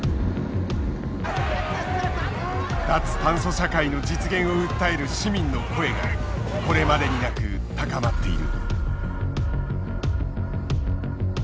脱炭素社会の実現を訴える市民の声がこれまでになく高まっている。